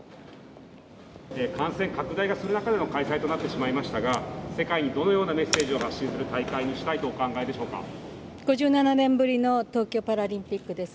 感染拡大がする中での開催となってしまいましたが、世界にどのようなメッセージを発信する大会にしたいとお考えでし５７年ぶりの東京パラリンピックです。